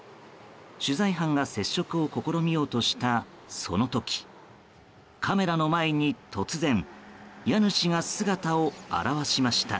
取材班が接触を試みようとしたその時カメラの前に突然、家主が姿を現しました。